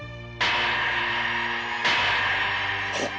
はっ！